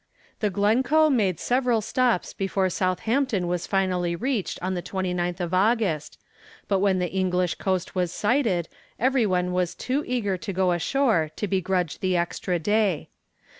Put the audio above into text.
The "Glencoe" made several stops before Southampton was finally reached on the 28th of August, but when the English coast was sighted every one was too eager to go ashore to begrudge the extra day.